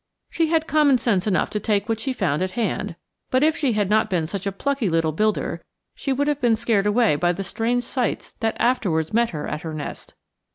She had common sense enough to take what she found at hand, but if she had not been such a plucky little builder she would have been scared away by the strange sights that afterwards met her at her nest.